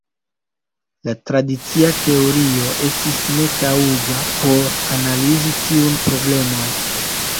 La tradicia teorio estis netaŭga por analizi tiun problemon.